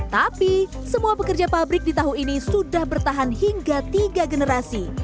tapi semua pekerja pabrik di tahu ini sudah bertahan hingga tiga generasi